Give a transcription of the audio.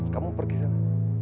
kamu pergi sana